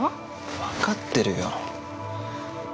分かってるよ。